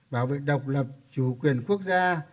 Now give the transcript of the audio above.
bảo vệ độc lập chủ quyền quốc gia